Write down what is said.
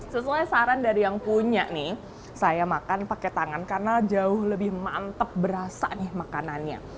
sesuai saran dari yang punya nih saya makan pakai tangan karena jauh lebih mantep berasa nih makanannya